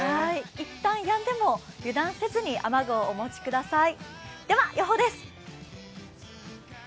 いったんやんでも油断せずに雨具をお持ちください。